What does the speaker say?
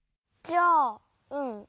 じゃあうん。